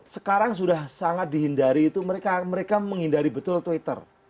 sekarang sudah sangat dihindari itu mereka menghindari betul twitter